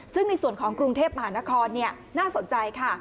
ซึ่งในส่วนของกรุงเทพมหานครน่าสนใจค่ะ